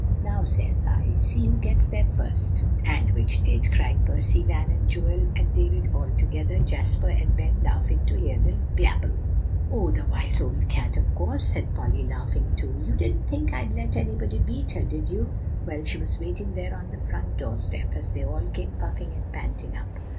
Now, says I, see who gets there first.'" "And which did?" cried Percy, and Van, and Joel, and David, all together; Jasper and Ben laughing to hear the babel. "Oh, the wise old cat, of course!" said Polly, laughing too. "You didn't think I'd let anybody beat her, did you? Well, she was waiting there on the front door step, as they all came puffing and panting up.